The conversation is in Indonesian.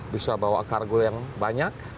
bisa bawa kargo yang banyak